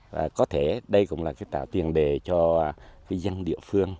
và có thể đây cũng là cái tạo tiền đề cho dân địa phương